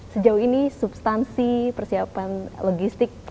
sejauh ini substansi persiapan logistik